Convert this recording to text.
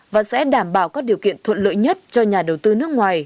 và sẽ đảm bảo các điều kiện thuận lợi nhất cho nhà đầu tư nước ngoài